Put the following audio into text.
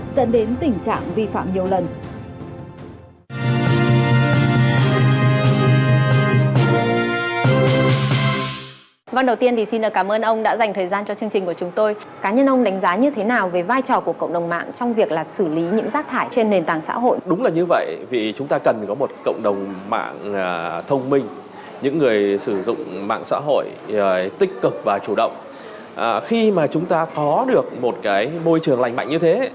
dẫn đến tình trạng vi phạm nhiều lần